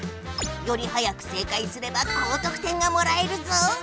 より早く正解すれば高とく点がもらえるぞ！